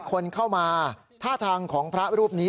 พระขู่คนที่เข้าไปคุยกับพระรูปนี้